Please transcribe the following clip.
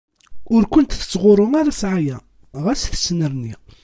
Ur ken-tettɣurru ara ssɛaya, ɣas tettnerni.